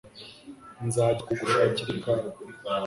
nzajya kugushakira ikawa